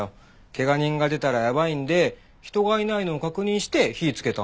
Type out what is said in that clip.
怪我人が出たらやばいんで人がいないのを確認して火つけたんすから。